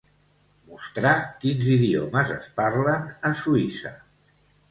Mostrar quins idiomes es parlen a Suïssa.